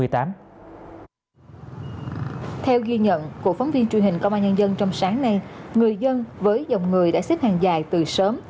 theo ghi nhận của phóng viên truyền hình công an nhân dân trong sáng nay người dân với dòng người đã xếp hàng dài từ sớm